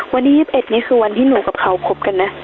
วันที่๒๑นี่คือวันที่หนูกับเขาคบกันนะ